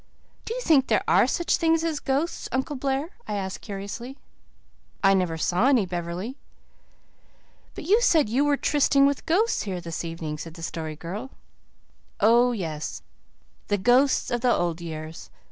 "Do you think there are such things as ghosts, Uncle Blair?" I asked curiously. "I never saw any, Beverley." "But you said you were trysting with ghosts here this evening," said the Story Girl. "Oh, yes the ghosts of the old years.